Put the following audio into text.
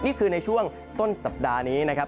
นี่คือในช่วงต้นสัปดาห์นี้นะครับ